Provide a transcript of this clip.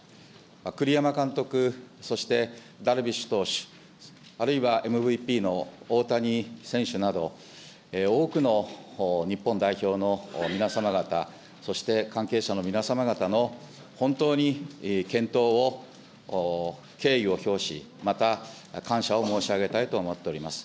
栗山監督、そしてダルビッシュ投手、あるいはＭＶＰの大谷選手など、多くの日本代表の皆様方、そして関係者の皆様方の本当に健闘を、敬意を表し、また感謝を申し上げたいと思っております。